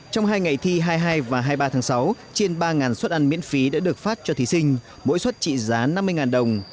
trong hai ngày thi hai mươi hai và hai mươi ba tháng sáu trên ba suất ăn miễn phí đã được phát cho thí sinh mỗi suất trị giá năm mươi đồng